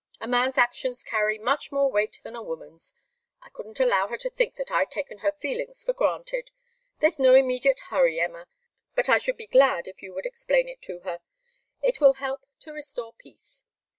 A man's actions carry much more weight than a woman's. I couldn't allow her to think that I'd taken her feelings for granted. There's no immediate hurry, Emma, but I should be glad if you would explain it to her. It will help to restore peace.